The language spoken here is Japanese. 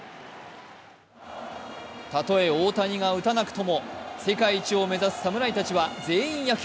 たとえ、大谷が打たなくとも、世界一を目指す侍たちは全員野球。